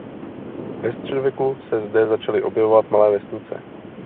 Ve středověku se zde začaly objevovat malé vesnice.